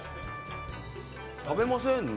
食べませんね